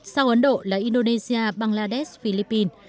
sau ấn độ là indonesia bangladesh philippines